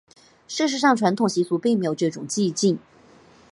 事实上传统习俗并没有这样的禁忌。